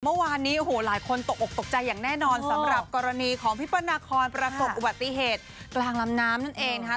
เมื่อวานนี้โอ้โหหลายคนตกออกตกใจอย่างแน่นอนสำหรับกรณีของพี่เปิ้ลนาคอนประสบอุบัติเหตุกลางลำน้ำนั่นเองนะคะ